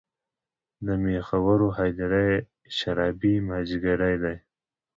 د میخورو هـــــدیره یې شــــــرابي مــــاځیګری دی